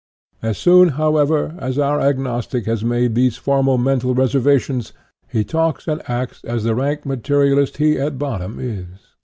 As soon, however, as our agnostic has made these formal mental reservations, he talks and acts as the rank materialist he at bottom is.